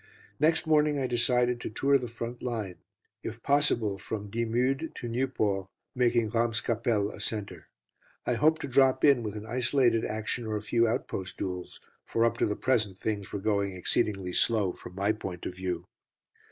Next morning I decided to tour the front line, if possible from Dixmude to Nieuport, making Ramscapelle a centre. I hoped to drop in with an isolated action or a few outpost duels, for up to the present things were going exceedingly slow from my point of view.